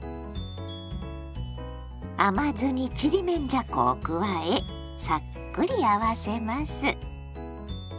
甘酢にちりめんじゃこを加えさっくり合わせます。